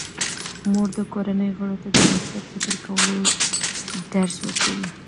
مور د کورنۍ غړو ته د مثبت فکر کولو درس ورکوي.